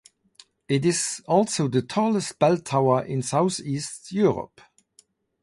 It is also the tallest bell tower in southeast Europe.